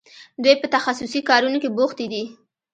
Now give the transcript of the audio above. دوی په تخصصي کارونو کې بوختې دي.